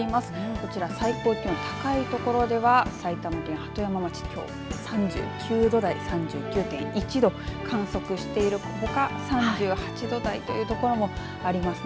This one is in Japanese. こちら最高気温高いところでは埼玉県鳩山町できょう３９度台３９．１度観測しているほか３８度台というところもありますね。